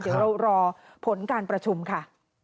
เดี๋ยวเรารอผลการประชุมค่ะ